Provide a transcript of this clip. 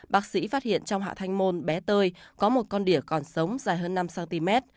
bác sĩ phát hiện trong hạ thanh môn bé tơi có một con đỉa còn sống dài hơn năm cm